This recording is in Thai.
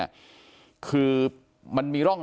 อยู่ดีมาตายแบบเปลือยคาห้องน้ำได้ยังไง